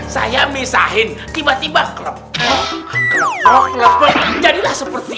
saya misahin tiba tiba krepek krepek krepek jadilah seperti ini